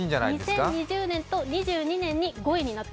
２０２０年と２２年に５位になった。